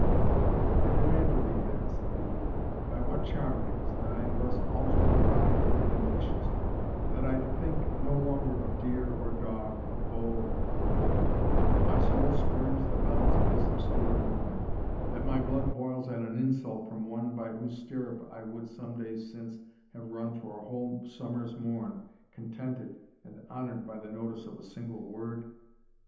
"I demand of thee, then," said the youth, "by what charm it is that I am thus altered in mind and in wishes that I think no longer of deer or dog, of bow or bolt that my soul spurns the bounds of this obscure glen that my blood boils at an insult from one by whose stirrup I would some days since have run for a whole summer's morn, contented and honoured by the notice of a single word?